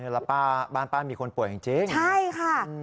แล้วบ้านป้ามีคนป่วยจริง